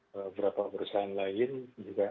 beberapa perusahaan lain juga